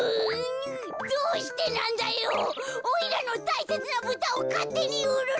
おいらのたいせつなブタをかってにうるなよ！」。